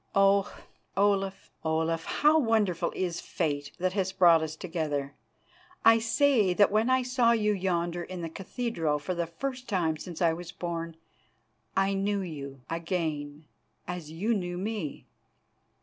Oh! Olaf, Olaf, how wonderful is the fate that has brought us together. I say that when I saw you yonder in the cathedral for the first time since I was born, I knew you again, as you knew me.